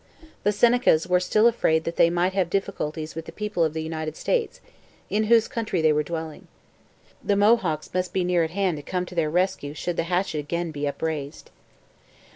The Senecas were still afraid that they might have difficulties with the people of the United States, in whose country they were dwelling. The Mohawks must be near at hand to come to their rescue should the hatchet again be upraised.